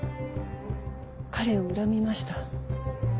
彼を恨みました。